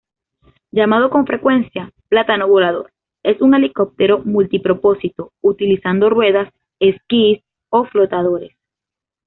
Llamado con frecuencia "plátano volador", es un helicóptero multipropósito, utilizando ruedas, esquís o flotadores.